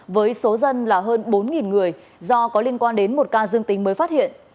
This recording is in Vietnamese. với số dân là hơn bốn người do có liên quan đến một ca dương tính mới phát hiện